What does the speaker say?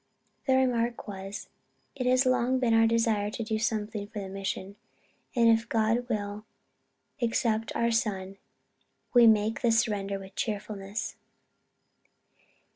Their remark was, _It has long been our desire to do something for the mission; and if God will accept our son, we make the surrender with cheerfulness_.